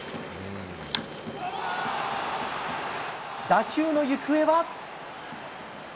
打球の行方は？